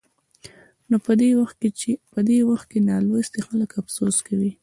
نو په دې وخت کې نالوستي خلک افسوس کوي.